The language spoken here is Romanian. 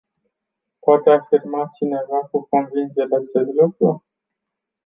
Poate afirma cineva cu convingere acest lucru?